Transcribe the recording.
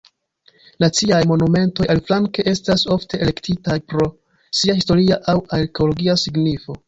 Naciaj Monumentoj, aliflanke, estas ofte elektitaj pro sia historia aŭ arkeologia signifo.